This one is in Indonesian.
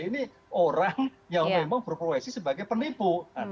ini orang yang memang berprofesi sebagai penipu